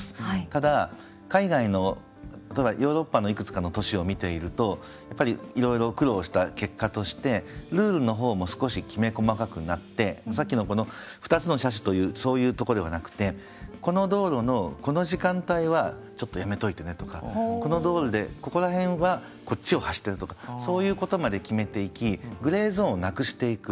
ただ海外の例えばヨーロッパのいくつかの都市を見ているとやっぱりいろいろ苦労した結果としてルールの方も少しきめ細かくなってさっきのこの２つの車種というそういうとこではなくてこの道路のこの時間帯はちょっとやめといてねとかこの道路でここら辺はこっちを走ってるとかそういうことまで決めていきグレーゾーンをなくしていく。